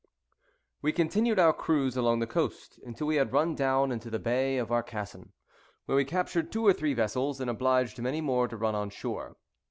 We continued our cruise along the coast, until we had run down into the Bay of Arcason, where we captured two or three vessels, and obliged many more to run on shore.